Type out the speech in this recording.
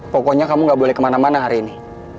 pokoknya kamu gak boleh kemana mana hari ini